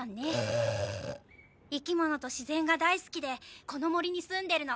生き物と自然が大好きでこの森に住んでるの。